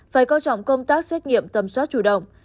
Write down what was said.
phải coi trọng công tác xét nghiệm tầm soát chủ động